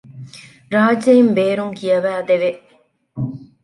ރާއްޖެއިން ބޭރުން ކިޔަވައިދެވެ